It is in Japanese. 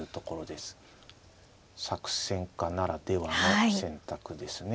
作戦家ならではの選択ですね。